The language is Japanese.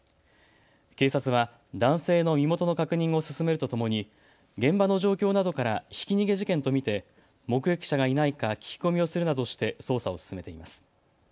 警察は男性の身元の確認を進めるとともに現場の状況などからひき逃げ事件と見て目撃者がいないか聞き込みをするなどして捜査を進めています。